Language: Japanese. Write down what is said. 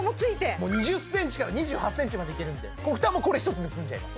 もう２０ｃｍから２８ｃｍまでいけるんで蓋もこれ１つで済んじゃいます・